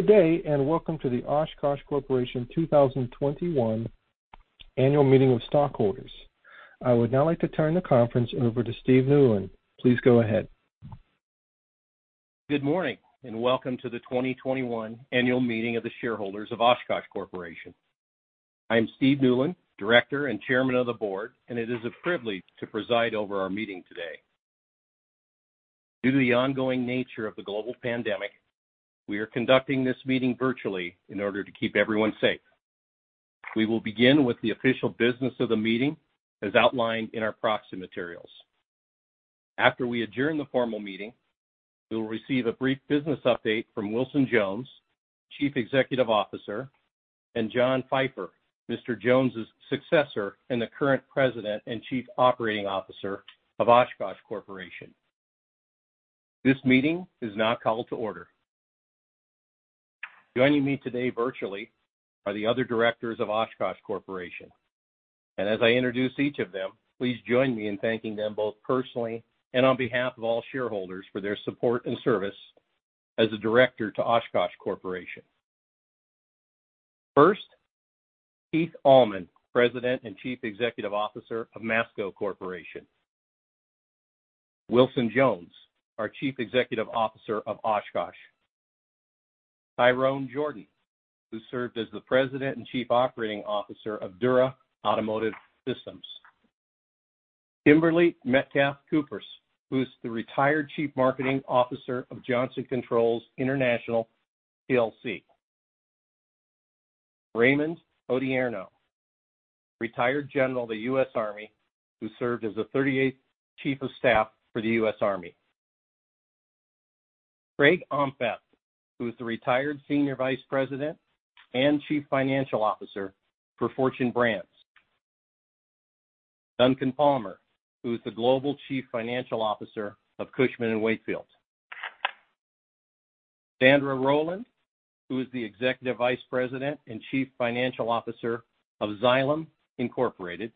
Good day, and welcome to the Oshkosh Corporation 2021 Annual Meeting of Stockholders. I would now like to turn the conference over to Steve Newlin. Please go ahead. Good morning, welcome to the 2021 Annual Meeting of the Shareholders of Oshkosh Corporation. I'm Steve Newlin, director and chairman of the board, it is a privilege to preside over our meeting today. Due to the ongoing nature of the global pandemic, we are conducting this meeting virtually in order to keep everyone safe. We will begin with the official business of the meeting as outlined in our proxy materials. After we adjourn the formal meeting, we will receive a brief business update from Wilson Jones, chief executive officer, and John Pfeifer, Mr. Jones' successor and the current president and chief operating officer of Oshkosh Corporation. This meeting is now called to order. Joining me today virtually are the other directors of Oshkosh Corporation, and as I introduce each of them, please join me in thanking them both personally and on behalf of all shareholders for their support and service as a director to Oshkosh Corporation. First, Keith Allman, president and chief executive officer of Masco Corporation. Wilson Jones, our chief executive officer of Oshkosh. Tyrone Jordan, who served as the president and chief operating officer of Dura Automotive Systems. Kimberley Metcalf-Kupres, who's the retired chief marketing officer of Johnson Controls International PLC. Raymond Odierno, retired general of the U.S. Army, who served as the 38th Chief of Staff for the U.S. Army. Craig Omtvedt, who is the retired senior vice president and chief financial officer for Fortune Brands. Duncan Palmer, who is the global chief financial officer of Cushman & Wakefield. Sandra Rowland, who is the Executive Vice President and Chief Financial Officer of Xylem Inc.,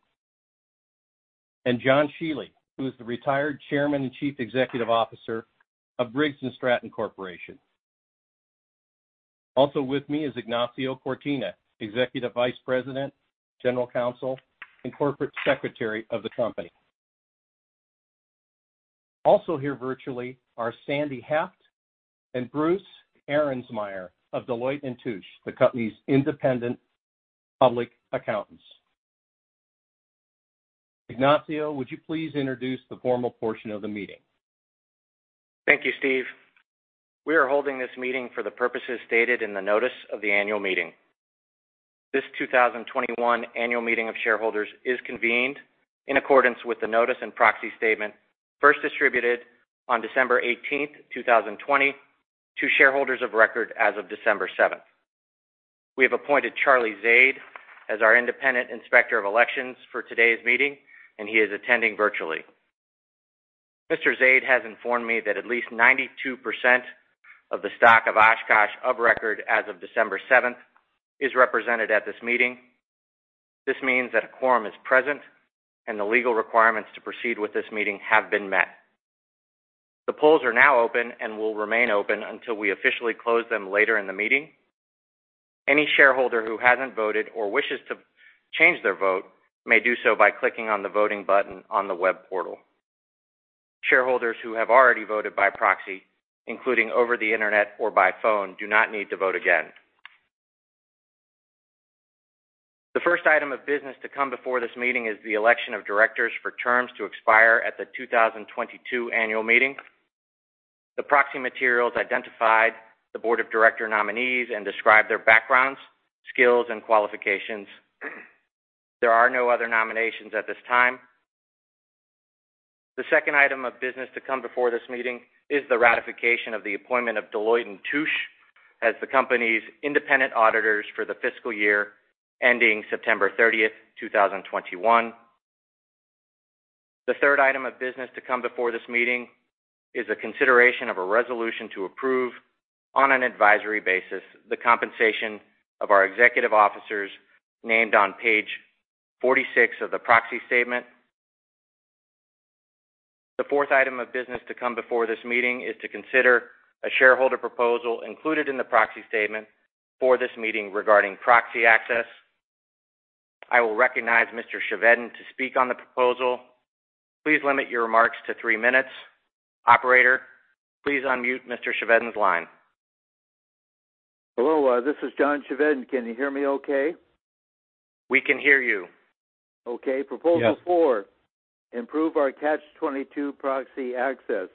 and John Shiely, who is the Retired Chairman and Chief Executive Officer of Briggs & Stratton Corporation. Also with me is Ignacio Cortina, Executive Vice President, General Counsel, and Corporate Secretary of the company. Also here virtually are Sandy Haft and Bruce Arensmeier of Deloitte & Touche, the company's independent public accountants. Ignacio, would you please introduce the formal portion of the meeting? Thank you, Steve. We are holding this meeting for the purposes stated in the notice of the annual meeting. This 2021 Annual Meeting of Shareholders is convened in accordance with the notice and proxy statement first distributed on December 18th, 2020 to shareholders of record as of December 7th. We have appointed Charlie Zade as our independent inspector of elections for today's meeting, and he is attending virtually. Mr. Zade has informed me that at least 92% of the stock of Oshkosh of record as of December 7th is represented at this meeting. This means that a quorum is present, and the legal requirements to proceed with this meeting have been met. The polls are now open and will remain open until we officially close them later in the meeting. Any shareholder who hasn't voted or wishes to change their vote may do so by clicking on the voting button on the web portal. Shareholders who have already voted by proxy, including over the Internet or by phone, do not need to vote again. The first item of business to come before this meeting is the election of directors for terms to expire at the 2022 Annual Meeting. The proxy materials identified the board of director nominees and described their backgrounds, skills, and qualifications. There are no other nominations at this time. The second item of business to come before this meeting is the ratification of the appointment of Deloitte & Touche as the company's independent auditors for the fiscal year ending September 30th, 2021. The third item of business to come before this meeting is a consideration of a resolution to approve, on an advisory basis, the compensation of our executive officers named on page 46 of the proxy statement. The fourth item of business to come before this meeting is to consider a shareholder proposal included in the proxy statement for this meeting regarding proxy access. I will recognize Mr. Chevedden to speak on the proposal. Please limit your remarks to three minutes. Operator, please unmute Mr. Chevedden's line. Hello, this is John Chevedden. Can you hear me okay? We can hear you. Okay. Yes. Proposal 4, improve our Catch-22 proxy access.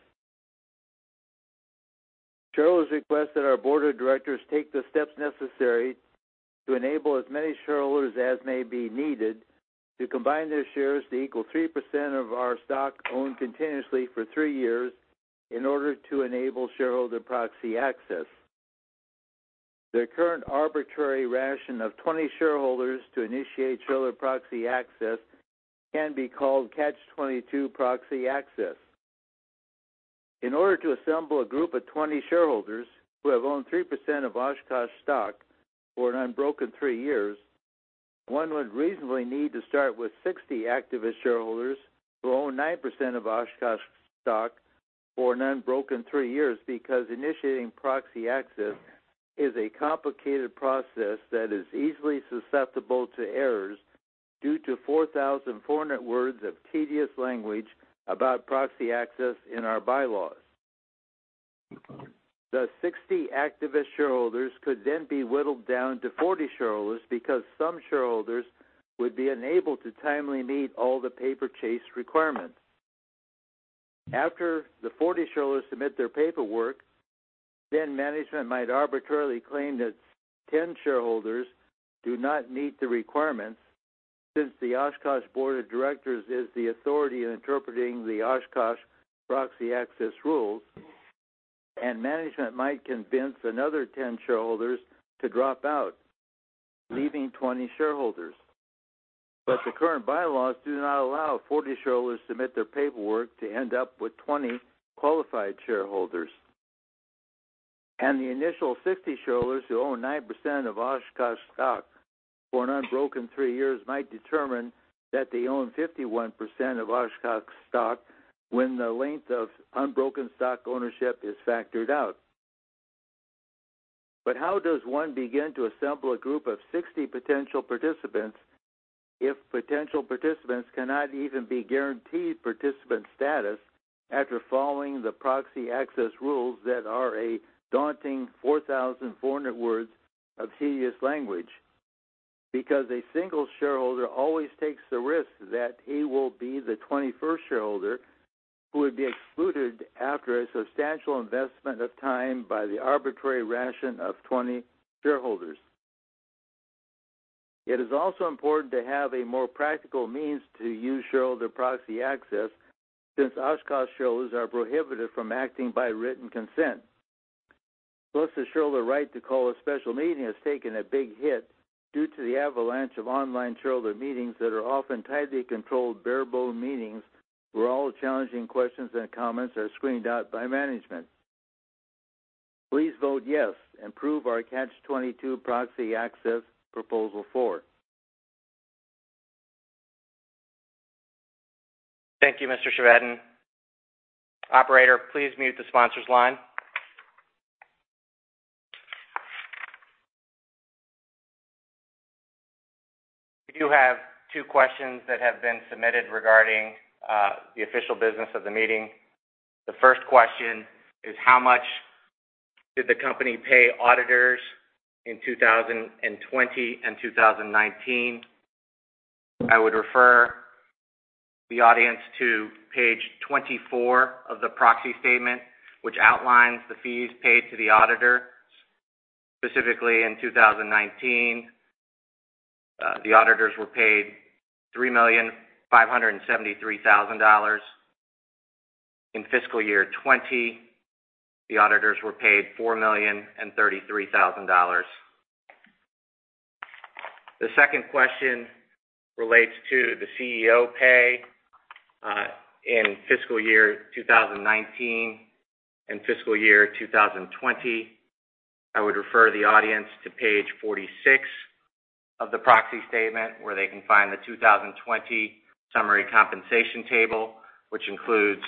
Shareholders request that our board of directors take the steps necessary to enable as many shareholders as may be needed to combine their shares to equal 3% of our stock owned continuously for three years in order to enable shareholder proxy access. The current arbitrary ratio of 20 shareholders to initiate shareholder proxy access can be called Catch-22 proxy access. In order to assemble a group of 20 shareholders who have owned 3% of Oshkosh stock for an unbroken three years One would reasonably need to start with 60 activist shareholders who own 9% of Oshkosh stock for an unbroken three years because initiating proxy access is a complicated process that is easily susceptible to errors due to 4,400 words of tedious language about proxy access in our bylaws. The 60 activist shareholders could then be whittled down to 40 shareholders because some shareholders would be unable to timely meet all the paper chase requirements. After the 40 shareholders submit their paperwork, then management might arbitrarily claim that 10 shareholders do not meet the requirements, since the Oshkosh Board of Directors is the authority in interpreting the Oshkosh proxy access rules, and management might convince another 10 shareholders to drop out, leaving 20 shareholders. The current bylaws do not allow 40 shareholders to submit their paperwork to end up with 20 qualified shareholders. The initial 50 shareholders who own 9% of Oshkosh stock for an unbroken three years might determine that they own 51% of Oshkosh stock when the length of unbroken stock ownership is factored out. How does one begin to assemble a group of 60 potential participants if potential participants cannot even be guaranteed participant status after following the proxy access rules that are a daunting 4,400 words of tedious language? A single shareholder always takes the risk that he will be the 21st shareholder who would be excluded after a substantial investment of time by the arbitrary ratio of 20 shareholders. It is also important to have a more practical means to use shareholder proxy access, since Oshkosh shareholders are prohibited from acting by written consent. The shareholder right to call a special meeting has taken a big hit due to the avalanche of online shareholder meetings that are often tightly controlled, bare-bones meetings where all challenging questions and comments are screened out by management. Please vote yes, and approve our Catch-22 proxy access proposal 4. Thank you, Mr. Chevedden. Operator, please mute the sponsor's line. We do have two questions that have been submitted regarding the official business of the meeting. The first question is, how much did the company pay auditors in 2020 and 2019? I would refer the audience to page 24 of the proxy statement, which outlines the fees paid to the auditor. Specifically, in 2019, the auditors were paid $3,573,000. In fiscal year 2020, the auditors were paid $4,033,000. The second question relates to the CEO pay in fiscal year 2019 and fiscal year 2020. I would refer the audience to page 46 of the proxy statement, where they can find the 2020 summary compensation table, which includes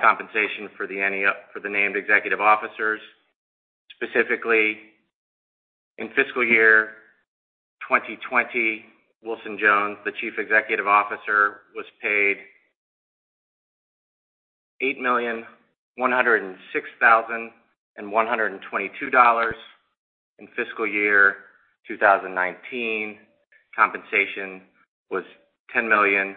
compensation for the named executive officers. Specifically, in fiscal year 2020, Wilson Jones, the chief executive officer, was paid $8,106,122. In fiscal year 2019, compensation was $10,258,166.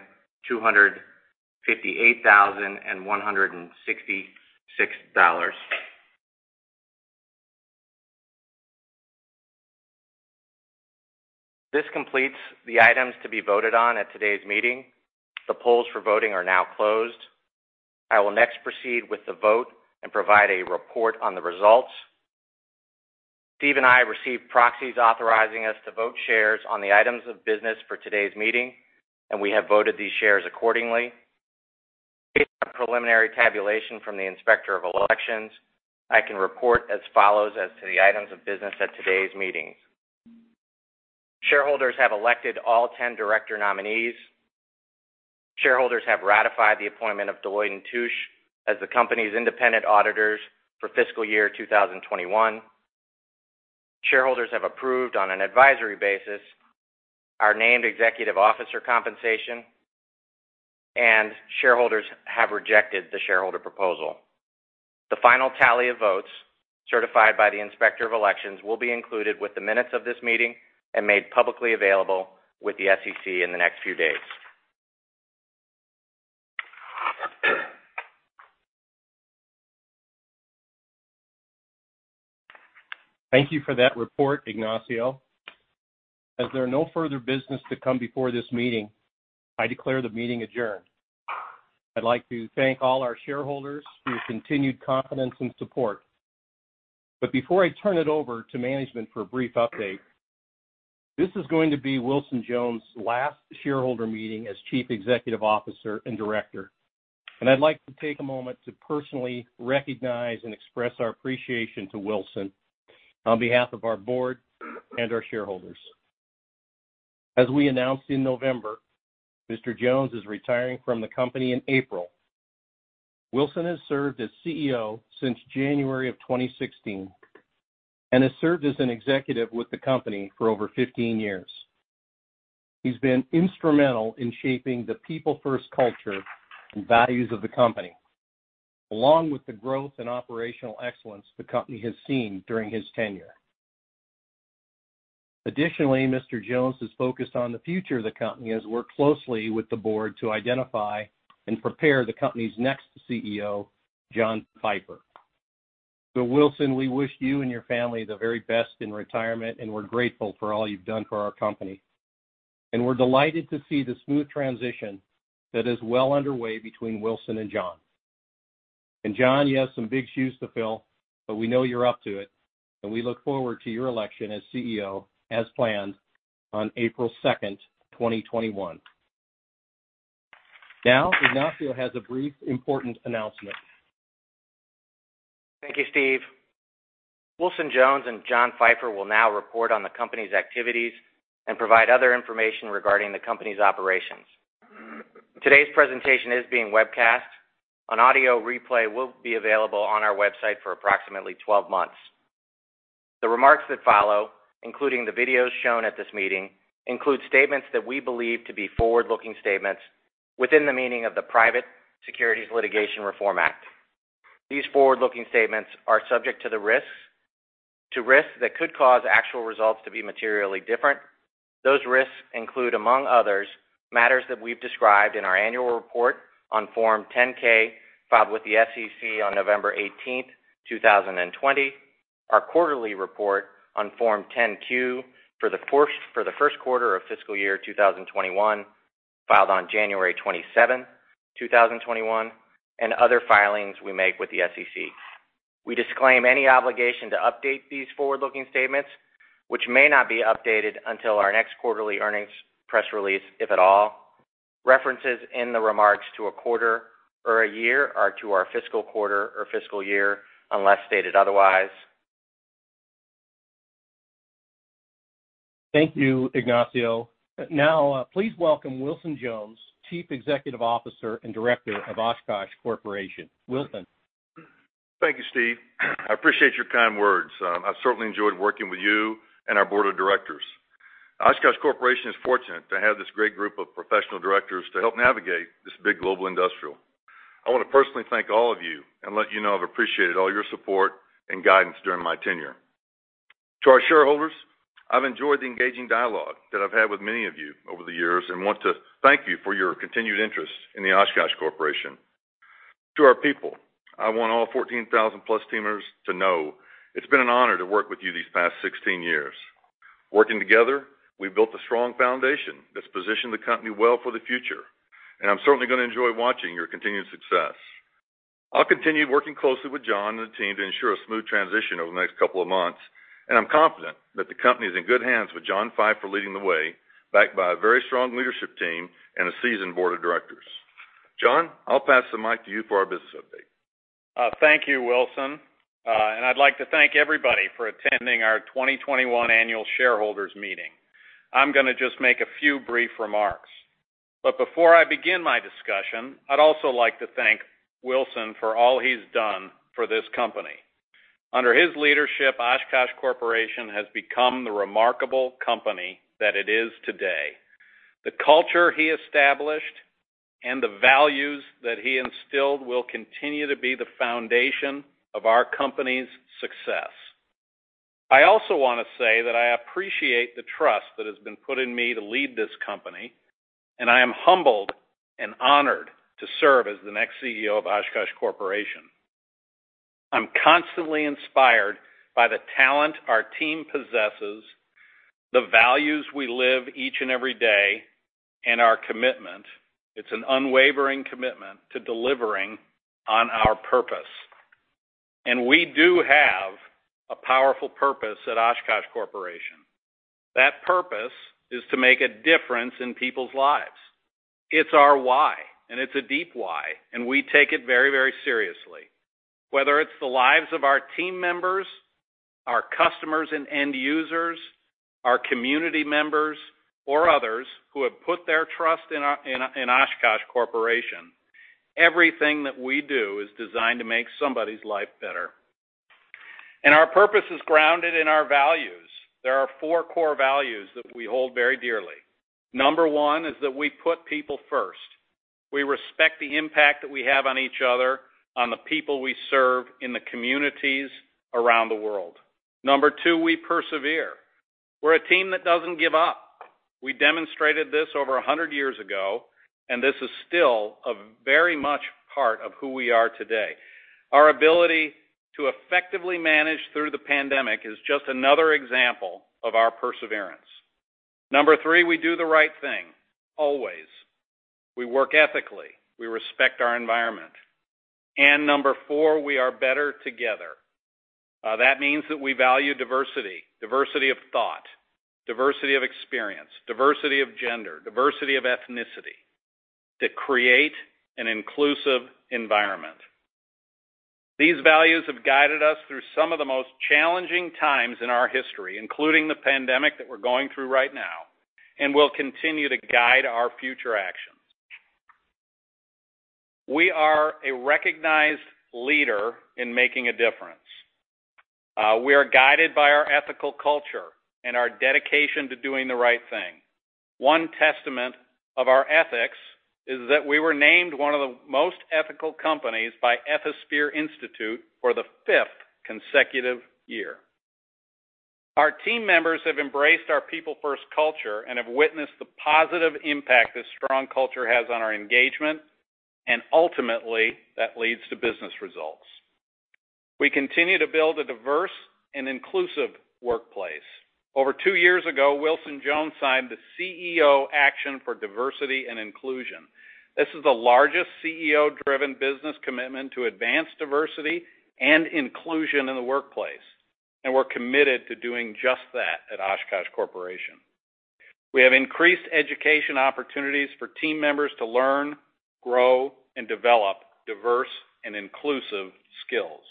This completes the items to be voted on at today's meeting. The polls for voting are now closed. I will next proceed with the vote and provide a report on the results. Steve and I received proxies authorizing us to vote shares on the items of business for today's meeting, and we have voted these shares accordingly. Based on preliminary tabulation from the Inspector of Elections, I can report as follows as to the items of business at today's meetings. Shareholders have elected all 10 director nominees. Shareholders have ratified the appointment of Deloitte & Touche as the company's independent auditors for fiscal year 2021. Shareholders have approved, on an advisory basis, our named executive officer compensation, and shareholders have rejected the shareholder proposal. The final tally of votes certified by the Inspector of Elections will be included with the minutes of this meeting and made publicly available with the SEC in the next few days. Thank you for that report, Ignacio. As there are no further business to come before this meeting, I declare the meeting adjourned. I'd like to thank all our shareholders for your continued confidence and support. Before I turn it over to management for a brief update, this is going to be Wilson Jones' last shareholder meeting as chief executive officer and director. I'd like to take a moment to personally recognize and express our appreciation to Wilson on behalf of our board and our shareholders. As we announced in November, Mr. Jones is retiring from the company in April. Wilson has served as CEO since January of 2016 and has served as an executive with the company for over 15 years. He's been instrumental in shaping the people first culture and values of the company, along with the growth and operational excellence the company has seen during his tenure. Additionally, Mr. Jones has focused on the future of the company, has worked closely with the board to identify and prepare the company's next CEO, John Pfeifer. Wilson, we wish you and your family the very best in retirement, and we're grateful for all you've done for our company. We're delighted to see the smooth transition that is well underway between Wilson and John. John, you have some big shoes to fill, but we know you're up to it, and we look forward to your election as CEO as planned on April 2nd, 2021. Ignacio has a brief important announcement. Thank you, Steve. Wilson Jones and John Pfeifer will now report on the company's activities and provide other information regarding the company's operations. Today's presentation is being webcast. An audio replay will be available on our website for approximately 12 months. The remarks that follow, including the videos shown at this meeting, include statements that we believe to be forward-looking statements within the meaning of the Private Securities Litigation Reform Act. These forward-looking statements are subject to risks that could cause actual results to be materially different. Those risks include, among others, matters that we've described in our annual report on Form 10-K filed with the SEC on November 18th, 2020, our quarterly report on Form 10-Q for the first quarter of fiscal year 2021, filed on January 27, 2021, and other filings we make with the SEC. We disclaim any obligation to update these forward-looking statements, which may not be updated until our next quarterly earnings press release, if at all. References in the remarks to a quarter or a year are to our fiscal quarter or fiscal year, unless stated otherwise. Thank you, Ignacio. Now, please welcome Wilson Jones, Chief Executive Officer and Director of Oshkosh Corporation. Wilson. Thank you, Steve. I appreciate your kind words. I've certainly enjoyed working with you and our board of directors. Oshkosh Corporation is fortunate to have this great group of professional directors to help navigate this big global industrial. I want to personally thank all of you and let you know I've appreciated all your support and guidance during my tenure. To our shareholders, I've enjoyed the engaging dialogue that I've had with many of you over the years and want to thank you for your continued interest in the Oshkosh Corporation. To our people, I want all 14,000 plus team members to know it's been an honor to work with you these past 16 years. Working together, we've built a strong foundation that's positioned the company well for the future, and I'm certainly going to enjoy watching your continued success. I'll continue working closely with John and the team to ensure a smooth transition over the next couple of months, and I'm confident that the company is in good hands with John Pfeifer leading the way, backed by a very strong leadership team and a seasoned board of directors. John, I'll pass the mic to you for our business update. Thank you, Wilson. I'd like to thank everybody for attending our 2021 Annual Shareholders Meeting. I'm going to just make a few brief remarks. Before I begin my discussion, I'd also like to thank Wilson for all he's done for this company. Under his leadership, Oshkosh Corporation has become the remarkable company that it is today. The culture he established and the values that he instilled will continue to be the foundation of our company's success. I also want to say that I appreciate the trust that has been put in me to lead this company, and I am humbled and honored to serve as the next CEO of Oshkosh Corporation. I'm constantly inspired by the talent our team possesses, the values we live each and every day, and our commitment. It's an unwavering commitment to delivering on our purpose. We do have a powerful purpose at Oshkosh Corporation. That purpose is to make a difference in people's lives. It's our why, and it's a deep why, and we take it very, very seriously. Whether it's the lives of our team members, our customers and end users, our community members, or others who have put their trust in Oshkosh Corporation, everything that we do is designed to make somebody's life better. Our purpose is grounded in our values. There are four core values that we hold very dearly. Number one is that we put people first. We respect the impact that we have on each other, on the people we serve in the communities around the world. Number two, we persevere. We're a team that doesn't give up. We demonstrated this over 100 years ago, and this is still a very much part of who we are today. Our ability to effectively manage through the pandemic is just another example of our perseverance. Number 3, we do the right thing, always. We work ethically. We respect our environment. Number 4, we are better together. That means that we value diversity of thought, diversity of experience, diversity of gender, diversity of ethnicity to create an inclusive environment. These values have guided us through some of the most challenging times in our history, including the pandemic that we're going through right now, and will continue to guide our future actions. We are a recognized leader in making a difference. We are guided by our ethical culture and our dedication to doing the right thing. One testament of our ethics is that we were named one of the most ethical companies by Ethisphere Institute for the fifth consecutive year. Our team members have embraced our people-first culture and have witnessed the positive impact this strong culture has on our engagement, and ultimately, that leads to business results. We continue to build a diverse and inclusive workplace. Over two years ago, Wilson Jones signed the CEO Action for Diversity & Inclusion. This is the largest CEO-driven business commitment to advance diversity and inclusion in the workplace, and we're committed to doing just that at Oshkosh Corporation. We have increased education opportunities for team members to learn, grow, and develop diverse and inclusive skills.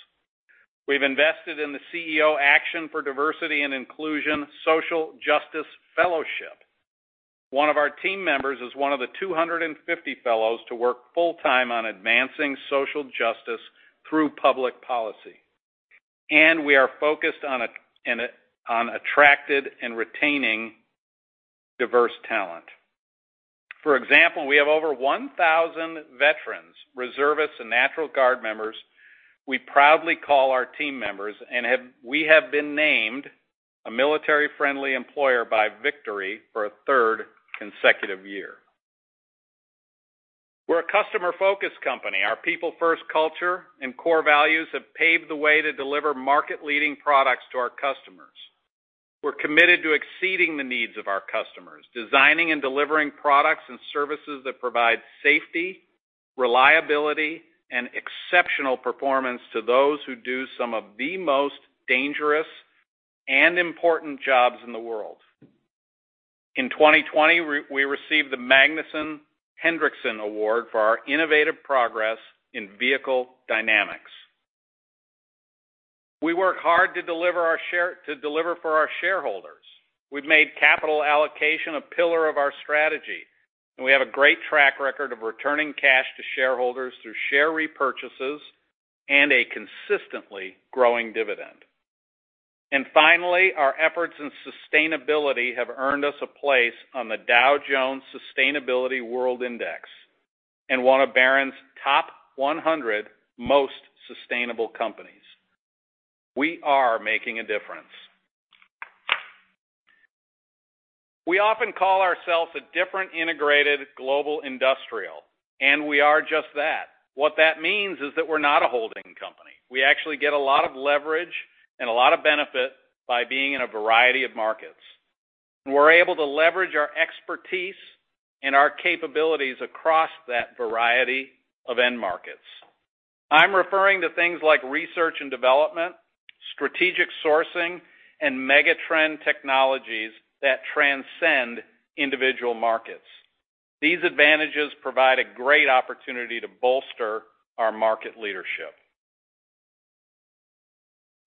We've invested in the CEO Action for Diversity & Inclusion Social Justice Fellowship. One of our team members is one of the 250 fellows to work full-time on advancing social justice through public policy, and we are focused on attracting and retaining diverse talent. For example, we have over 1,000 veterans, reservists, and National Guard members we proudly call our team members, and we have been named a military-friendly employer by VIQTORY for a third consecutive year. We're a customer-focused company. Our people-first culture and core values have paved the way to deliver market-leading products to our customers. We're committed to exceeding the needs of our customers, designing and delivering products and services that provide safety, reliability, and exceptional performance to those who do some of the most dangerous and important jobs in the world. In 2020, we received the Magnus Hendrickson Award for our innovative progress in vehicle dynamics. We work hard to deliver for our shareholders. We've made capital allocation a pillar of our strategy, and we have a great track record of returning cash to shareholders through share repurchases and a consistently growing dividend. Finally, our efforts in sustainability have earned us a place on the Dow Jones Sustainability World Index and one of Barron's top 100 most sustainable companies. We are making a difference. We often call ourselves a different integrated global industrial, and we are just that. What that means is that we're not a holding company. We actually get a lot of leverage and a lot of benefit by being in a variety of markets. We're able to leverage our expertise and our capabilities across that variety of end markets. I'm referring to things like research and development, strategic sourcing, and megatrend technologies that transcend individual markets. These advantages provide a great opportunity to bolster our market leadership.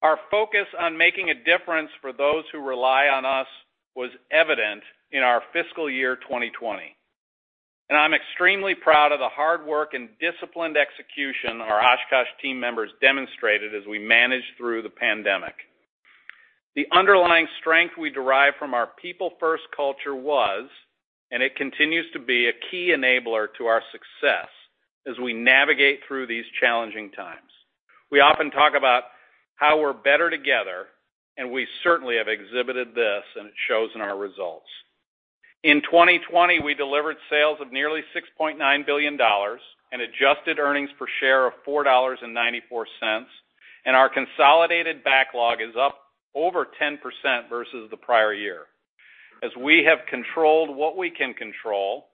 Our focus on making a difference for those who rely on us was evident in our fiscal year 2020, and I'm extremely proud of the hard work and disciplined execution our Oshkosh team members demonstrated as we managed through the pandemic. The underlying strength we derive from our people-first culture was, and it continues to be, a key enabler to our success as we navigate through these challenging times. We often talk about how we're better together, and we certainly have exhibited this, and it shows in our results. In 2020, we delivered sales of nearly $6.9 billion, an adjusted earnings per share of $4.94, and our consolidated backlog is up over 10% versus the prior year as we have controlled what we can control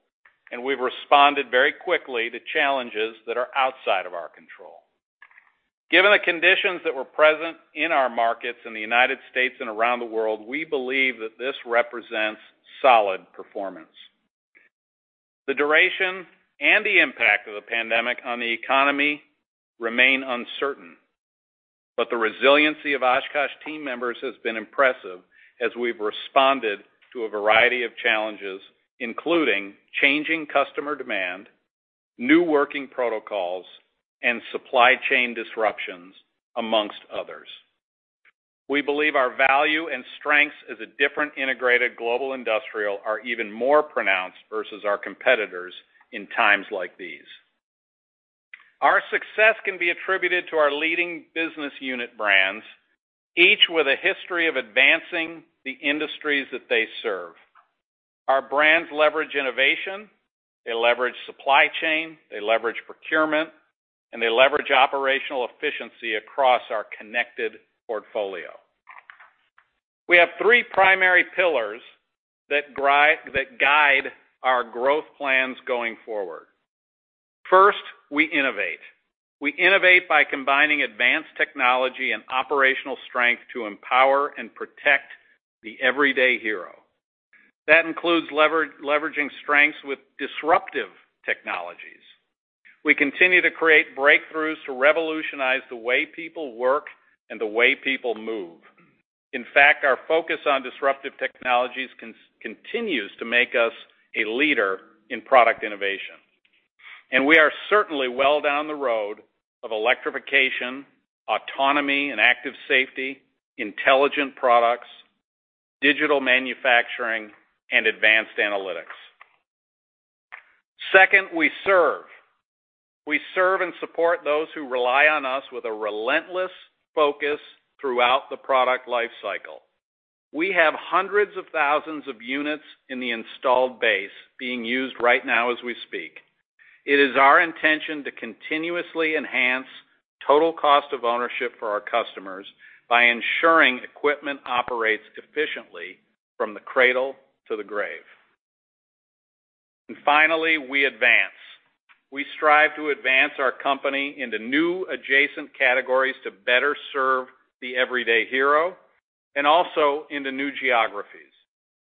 and we've responded very quickly to challenges that are outside of our control. Given the conditions that were present in our markets in the United States and around the world, we believe that this represents solid performance. The duration and the impact of the pandemic on the economy remain uncertain, but the resiliency of Oshkosh team members has been impressive as we've responded to a variety of challenges, including changing customer demand, new working protocols, and supply chain disruptions, amongst others. We believe our value and strengths as a different integrated global industrial are even more pronounced versus our competitors in times like these. Our success can be attributed to our leading business unit brands, each with a history of advancing the industries that they serve. Our brands leverage innovation, they leverage supply chain, they leverage procurement, and they leverage operational efficiency across our connected portfolio. We have three primary pillars that guide our growth plans going forward. First, we innovate. We innovate by combining advanced technology and operational strength to empower and protect the everyday hero. That includes leveraging strengths with disruptive technologies. We continue to create breakthroughs to revolutionize the way people work and the way people move. In fact, our focus on disruptive technologies continues to make us a leader in product innovation. We are certainly well down the road of electrification, autonomy and active safety, intelligent products, digital manufacturing, and advanced analytics. Second, we serve. We serve and support those who rely on us with a relentless focus throughout the product life cycle. We have hundreds of thousands of units in the installed base being used right now as we speak. It is our intention to continuously enhance total cost of ownership for our customers by ensuring equipment operates efficiently from the cradle to the grave. Finally, we advance. We strive to advance our company into new adjacent categories to better serve the everyday hero and also into new geographies.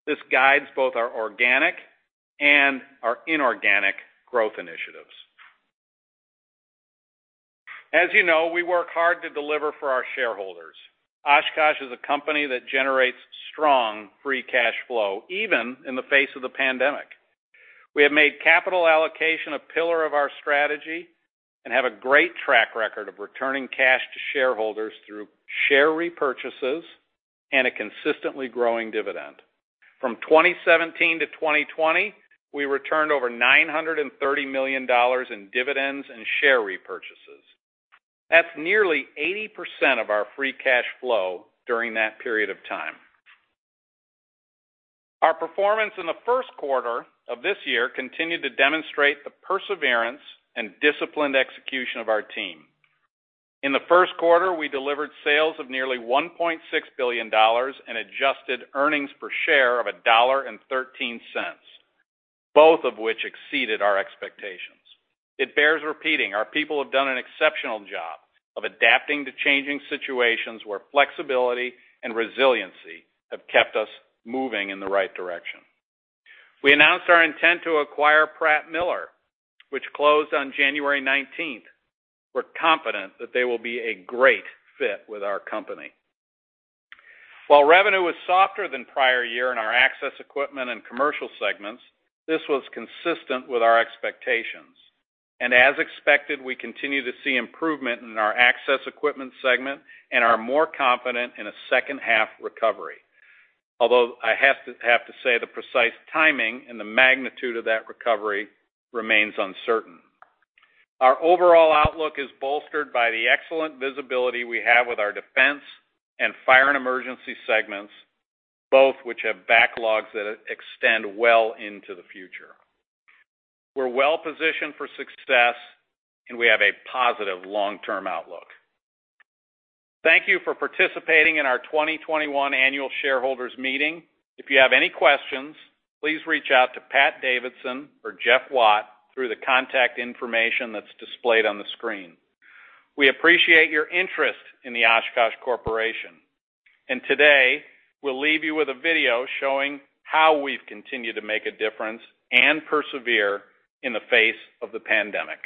This guides both our organic and our inorganic growth initiatives. As you know, we work hard to deliver for our shareholders. Oshkosh is a company that generates strong free cash flow, even in the face of the pandemic. We have made capital allocation a pillar of our strategy and have a great track record of returning cash to shareholders through share repurchases and a consistently growing dividend. From 2017 to 2020, we returned over $930 million in dividends and share repurchases. That's nearly 80% of our free cash flow during that period of time. Our performance in the first quarter of this year continued to demonstrate the perseverance and disciplined execution of our team. In the first quarter, we delivered sales of nearly $1.6 billion and adjusted earnings per share of $1.13, both of which exceeded our expectations. It bears repeating, our people have done an exceptional job of adapting to changing situations where flexibility and resiliency have kept us moving in the right direction. We announced our intent to acquire Pratt Miller, which closed on January 19th. We're confident that they will be a great fit with our company. While revenue was softer than prior year in our access equipment and commercial segments, this was consistent with our expectations. As expected, we continue to see improvement in our access equipment segment and are more confident in a second-half recovery. I have to say, the precise timing and the magnitude of that recovery remains uncertain. Our overall outlook is bolstered by the excellent visibility we have with our defense and fire and emergency segments, both of which have backlogs that extend well into the future. We're well-positioned for success, and we have a positive long-term outlook. Thank you for participating in our 2021 annual shareholders meeting. If you have any questions, please reach out to Pat Davidson or Jeff Watt through the contact information that's displayed on the screen. We appreciate your interest in the Oshkosh Corporation. Today, we'll leave you with a video showing how we've continued to make a difference and persevere in the face of the pandemic